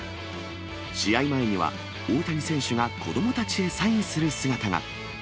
試合前には、大谷選手が子どもたちへサインする姿が。